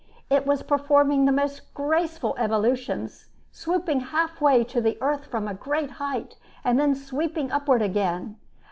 It was performing the most graceful evolutions, swooping half way to the earth from a great height, and then sweeping upward again.